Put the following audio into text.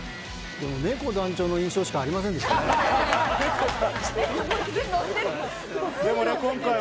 ねこ団長の印象しかありませんでしたね。